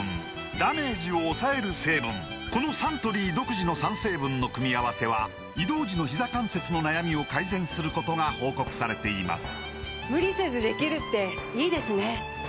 このサントリー独自の３成分の組み合わせは移動時のひざ関節の悩みを改善することが報告されています